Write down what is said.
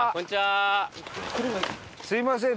すみません。